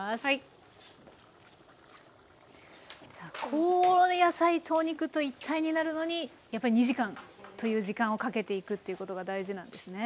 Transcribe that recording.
こう野菜とお肉と一体になるのにやっぱり２時間という時間をかけていくということが大事なんですね。